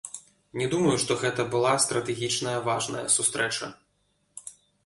Не думаю, што гэта была стратэгічная важная сустрэча.